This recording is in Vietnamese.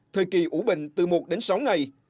thời kỳ ủ bệnh từ một đến sáu ngày